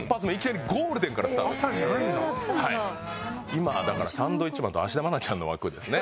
今はだからサンドウィッチマンと芦田愛菜ちゃんの枠ですね。